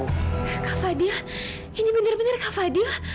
kak fadil ini bener bener kak fadil